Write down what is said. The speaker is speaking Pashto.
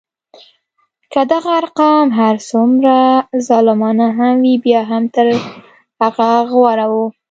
که دغه ارقام هر څومره ظالمانه هم وي بیا هم تر هغه غوره وو.